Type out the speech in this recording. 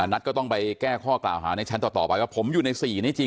นัทก็ต้องไปแก้ข้อกล่าวคลาวในชั้นต่อไปว่าผมวิวใน๔